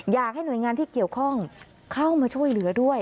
อยากให้หน่วยงานที่เกี่ยวข้องเข้ามาช่วยเหลือด้วย